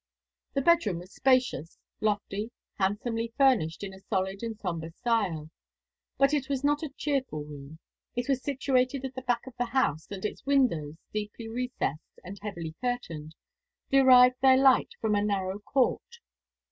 The bedroom was spacious, lofty, handsomely furnished in a solid and sombre style. But it was not a cheerful room. It was situated at the back of the house, and its windows, deeply recessed and heavily curtained, derived their light from a narrow court.